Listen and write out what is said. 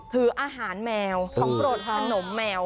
ถืออาหารแมวขนมแมว